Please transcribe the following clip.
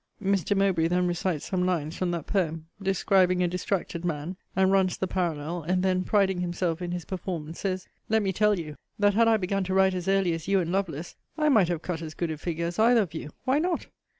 Mr. Mowbray then recites some lines from that poem, describing a distracted man, and runs the parallel; and then, priding himself in his performance, says: Let me tell you, that had I begun to write as early as you and Lovelace, I might have cut as good a figure as either of you. Why not?